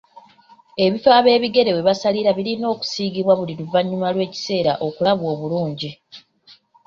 Ebifo ab'ebigere webasalira birina okusiigibwa buli luvannyuma lw'ekiseera okulabwa obulungi.